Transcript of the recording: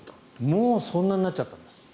もうそんなになっちゃったんです。